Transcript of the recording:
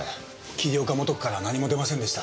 桐岡素子からは何も出ませんでした。